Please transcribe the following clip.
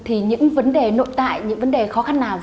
thì những vấn đề nội tại những vấn đề khó khăn nào